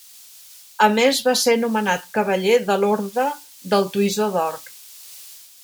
A més va ser nomenat cavaller de l'Orde del Toisó d'Or.